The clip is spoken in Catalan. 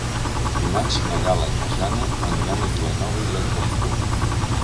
Dimarts na Gal·la i na Jana aniran a Vilanova i la Geltrú.